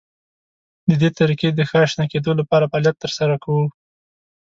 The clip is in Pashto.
د دې طریقې د ښه اشنا کېدو لپاره فعالیت تر سره کوو.